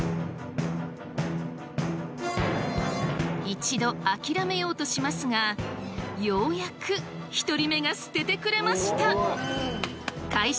一度諦めようとしますがようやく１人目が捨ててくれました！